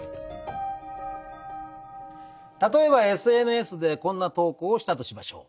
例えばＳＮＳでこんな投稿をしたとしましょう。